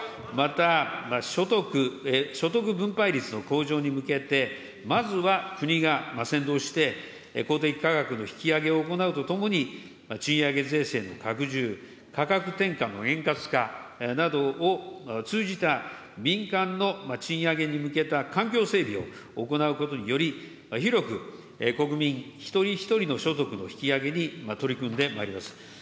また、所得分配率の向上に向けて、まずは国が先導して、公的価格の引き上げを行うとともに、賃上げ税制の拡充、価格転嫁の円滑化などを通じた民間の賃上げに向けた環境整備を行うことにより、広く国民一人一人の所得の引き上げに取り組んでまいります。